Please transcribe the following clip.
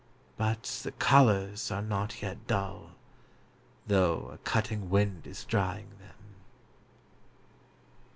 . but the colours are not yet dull, though a cutting wind is drying them.